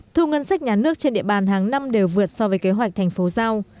thu ngân sách nhà nước trên địa bàn hàng năm đều vượt so với kế hoạch thành phố giao